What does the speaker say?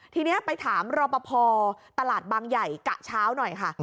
ทีนี้ไปถามรบปภตลาดบางใหญค้าขายข้าวหน่อยค่ะ